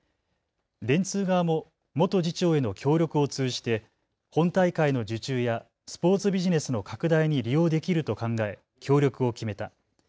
電通側も元次長への協力を通じて本大会の受注やスポーツビジネスの拡大に利用できると考え協力を決めた。